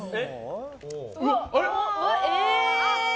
え？